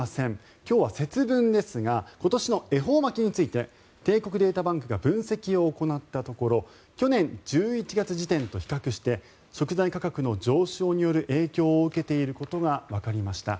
今日は節分ですが今年の恵方巻きについて帝国データバンクが分析を行ったところ去年１１月時点と比較して食材価格の上昇による影響を受けていることがわかりました。